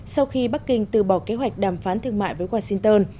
sau khi bắc kinh từ bỏ kế hoạch đàm phán thương mại với washington